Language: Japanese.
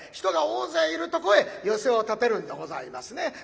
人が大勢いるとこへ寄席を建てるんでございますね。